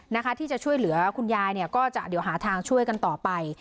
นะคะที่จะช่วยเหลือคุณยายเนี่ยก็จะเดี๋ยวหาทางช่วยกันต่อไป